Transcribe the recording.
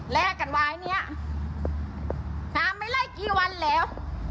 แลกันไว้เนี้ยสามไม่ได้กี่วันแล้ว